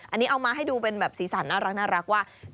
อันนี้เอามาให้ดูเป็นแบบสีสันน่ารักว่า